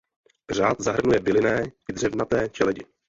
Řád zahrnuje bylinné i dřevnaté čeledi.